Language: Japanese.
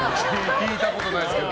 聞いたことないですけど。